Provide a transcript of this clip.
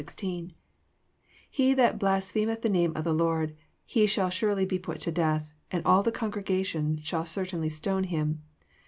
He that blasphem eth the name of the Lord, he shall surely be put to death, and all the congregation shall certainly stone him."